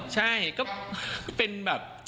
ใช่ก็เป็นแบบ